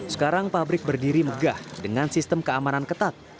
sekarang pabrik berdiri megah dengan sistem keamanan ketat